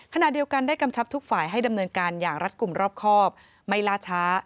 ขณะเดียวกันได้กำชับทุกฝ่ายให้ดำเนินการอย่างรัฐกลุ่มรอบครอบไม่ล่าช้า